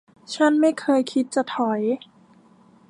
ฉันไม่เคยคิดจะถอย